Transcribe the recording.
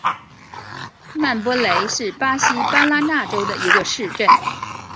曼波雷是巴西巴拉那州的一个市镇。